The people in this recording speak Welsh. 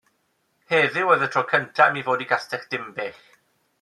Heddiw oedd y tro cynta' i mi fod i Gastell Dinbych.